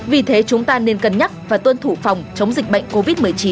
vì thế chúng ta nên cân nhắc và tuân thủ phòng chống dịch bệnh covid một mươi chín